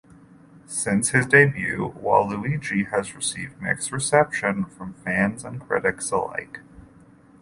Since his debut, Waluigi has received mixed reception from fans and critics alike.